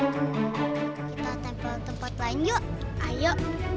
kita tempor tempat lain yuk ayo